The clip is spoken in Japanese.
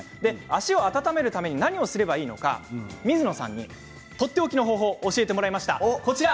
足を温めるために何をすればいいのか水野さんにとっておきの方法を教えてもらいました。